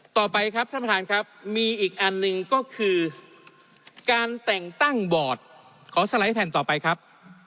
ต่อไปครับท่านประธานครับมีอีกอันหนึ่งก็คือการแต่งตั้งบอร์ดขอสไลด์แผ่นต่อไปครับ